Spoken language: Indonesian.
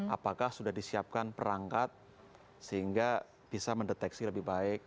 apakah sudah disiapkan perangkat sehingga bisa mendeteksi lebih baik